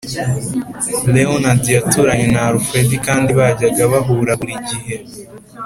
Leonard yaturanye na Alfred kandi bajyaga bahura buri gihe